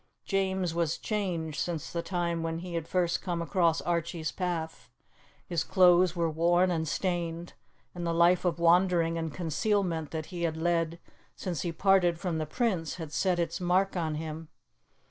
James was changed since the time when he had first come across Archie's path. His clothes were worn and stained, and the life of wandering and concealment that he had led since he parted from the Prince had set its mark on him.